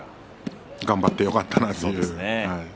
頑張ってよかったなと。